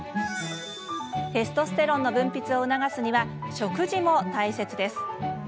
テストステロンの分泌を促すには食事も大切です。